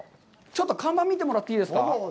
ちょっと看板見てもらっていいですか。